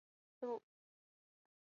鸟井坂面影堂魔法使魔法指环